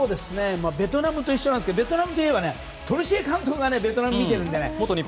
ベトナムと一緒なんですけどベトナムといえばトルシエ監督が見てるので。